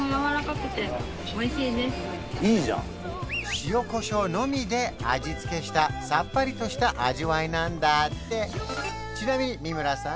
塩コショウのみで味付けしたさっぱりとした味わいなんだってちなみに三村さん